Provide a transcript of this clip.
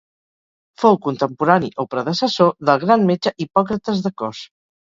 Fou contemporani o predecessor del gran metge Hipòcrates de Cos.